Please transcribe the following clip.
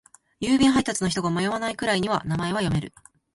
郵便配達の人が迷わないくらいには名前は読める。